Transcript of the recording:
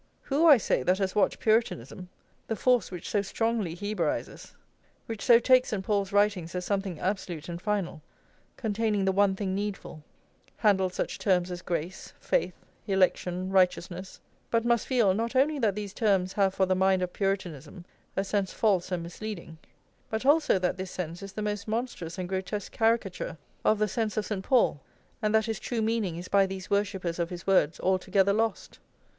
Who, I say, that has watched Puritanism, the force which so strongly Hebraises, which so takes St. Paul's writings as something absolute and final, containing the one thing needful, handle such terms as grace, faith, election, righteousness, but must feel, not only that these terms have for the mind of Puritanism a sense false and misleading, but also that this sense is the most monstrous and grotesque caricature of the sense of St. Paul, and that his true meaning is by these worshippers of his words altogether lost?